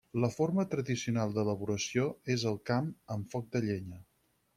La forma tradicional d'elaboració és al camp, amb foc de llenya.